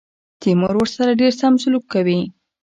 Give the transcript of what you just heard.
تیمور ورسره ډېر سم سلوک کوي.